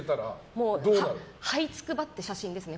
もうはいつくばって写真ですね。